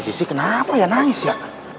sisi kenapa ya nangis ya